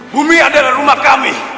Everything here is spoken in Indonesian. bumi adalah rumah kami